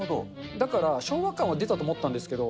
だから昭和感は出たと思ったんですけど、